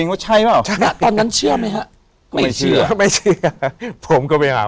เองว่าใช่หรอใช่ตอนนั้นเชื่อไหมฮะก็ไม่เชื่อไม่เชื่อผมก็ไปหา